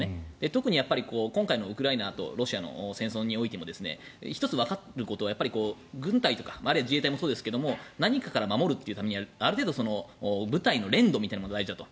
特に、今回のウクライナとロシアの戦争においても１つわかることは軍隊とかあるいは自衛隊もそうですが何かから守るというためにはある程度部隊の練度が大事だと。